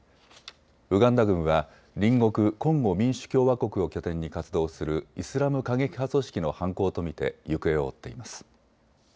ウガンダ軍は隣国コンゴ民主共和国を拠点に活動するイスラム過激派組織の犯行と見て行方を追っています。